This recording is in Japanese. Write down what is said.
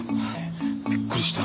びっくりした。